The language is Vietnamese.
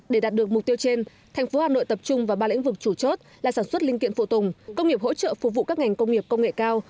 để đạt được mục tiêu trên thành phố hà nội tập trung vào ba lĩnh vực chủ chốt là sản xuất linh kiện phụ tùng công nghiệp hỗ trợ phục vụ các ngành công nghiệp công nghệ cao